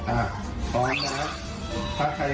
อ่ะพร้อมนะ